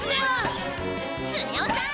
スネ夫さん！